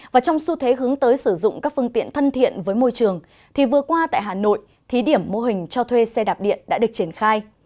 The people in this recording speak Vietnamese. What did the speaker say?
và trong xu thế hướng tới sử dụng các phương tiện thân thiện với môi trường thì vừa qua tại hà nội thí điểm mô hình cho thuê xe đạp điện đã được triển khai